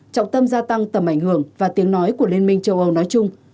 trọng tâm gia tăng tầm ảnh hưởng và tiếng nói của liên minh châu âu nói chung